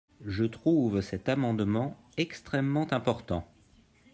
Je trouve cet amendement extrêmement important.